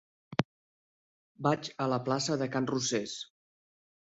Vaig a la plaça de Can Rosés.